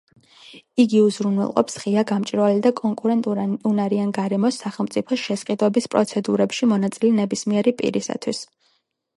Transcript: იგი უზრუნველყოფს ღია, გამჭვირვალე და კონკურენტუნარიან გარემოს სახელმწიფო შესყიდვების პროცედურებში მონაწილე ნებისმიერი პირისათვის.